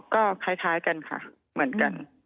ก็คล้ายกันค่ะเหมือนกัน